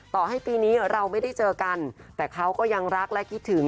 ต่อให้ปีนี้เราไม่ได้เจอกันแต่เขาก็ยังรักและคิดถึง